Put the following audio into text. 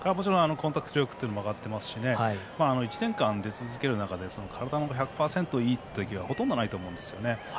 コンタクト力も上がってますし１年間で続ける中で体の１００％いい時はほとんどないと思うんですよね。